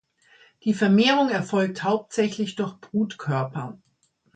Die Vermehrung erfolgt hauptsächlich durch Brutkörper.